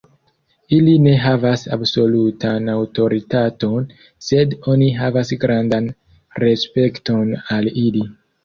Ili ne havas absolutan aŭtoritaton, sed oni havas grandan respekton al ili.